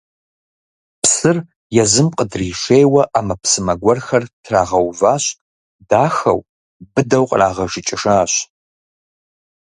Псыр езым къыдришейуэ ӏэмэпсымэ гуэрхэр трагъэуващ, дахэу, быдэу кърагъэжыкӏыжащ.